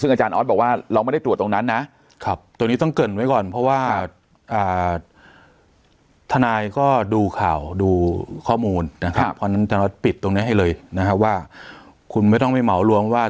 อ่าธนายก็ดูข่าวดูข้อมูลนะครับเพราะฉะนั้นจะปิดตรงเนี้ยให้เลยนะฮะว่าคุณไม่ต้องไม่เหมา